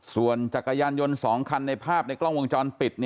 ส่วนจักรยานยนต์๒คันในภาพในกล้องวงจรปิด